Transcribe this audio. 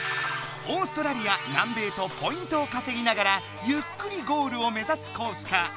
オーストラリア南米とポイントをかせぎながらゆっくりゴールをめざすコースか